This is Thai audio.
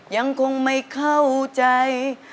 ยังคงไม่เข้าใจ